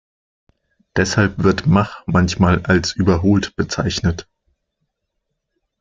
Deshalb wird Mach manchmal auch als überholt bezeichnet.